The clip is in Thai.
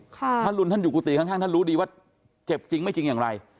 ถ้าลุงท่านอยู่กุฏิข้างท่านรู้ดีว่าเจ็บจริงไม่จริงอย่างไร